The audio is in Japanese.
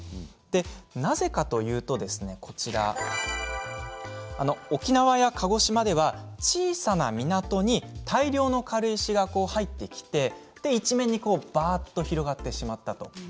なぜかというと沖縄や鹿児島では小さな港に大量の軽石が入ってきて一面にばあっと広がってしまったと。